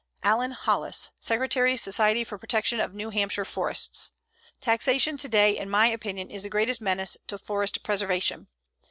ALLEN HOLLIS, Secretary Society for Protection of New Hampshire Forests: Taxation today, in my opinion, is the greatest menace to forest preservation.